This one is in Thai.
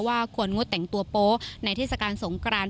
ควรงดแต่งตัวโป๊ในเทศกาลสงกราน